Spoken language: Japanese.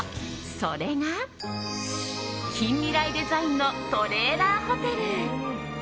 それが、近未来デザインのトレーラーホテル。